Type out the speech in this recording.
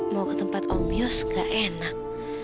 mau ke tempat om mus gak enak